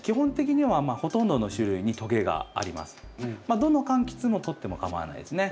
どの柑橘も取ってもかまわないですね。